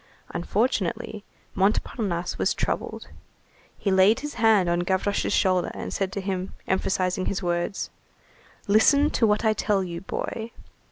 Unfortunately, Montparnasse was troubled. He laid his hand on Gavroche's shoulder, and said to him, emphasizing his words: "Listen to what I tell you, boy!